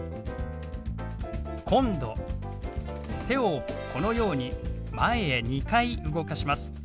手をこのように前へ２回動かします。